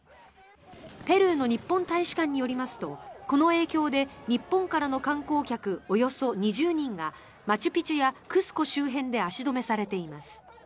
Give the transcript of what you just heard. ペルーの日本大使館によりますとこの影響で日本からの観光客およそ２０人がマチュピチュやクスコ周辺で足止めされています。